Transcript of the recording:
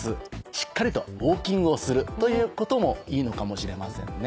しっかりとウオーキングをするということもいいのかもしれませんね